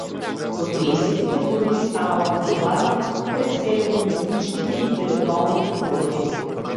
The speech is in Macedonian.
Во триесеттите години станала популарна, пред сѐ во уметничките и интелектуалните кругови.